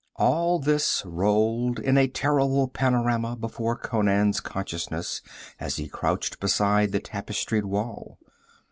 All this rolled in a terrible panorama before Conan's consciousness as he crouched beside the tapestried wall.